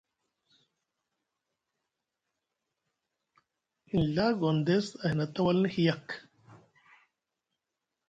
Nɵa Gondes a hina tawalni hiyak.